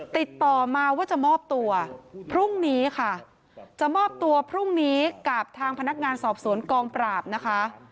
ติดต่อมาว่าจะมอบตัวพรุ่งนี้ค่ะจะมอบตัวพรุ่งนี้กับทางพนักงานสอบสวนกองปราบนะคะ